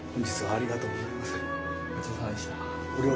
ありがとうございます。